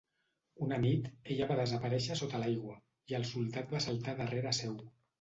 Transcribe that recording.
Una nit, ella va desaparèixer sota l'aigua, i el soldat va saltar darrere seu.